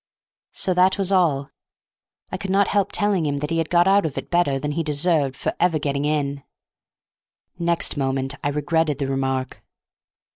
So that was all. I could not help telling him that he had got out of it better than he deserved for ever getting in. Next moment I regretted the remark.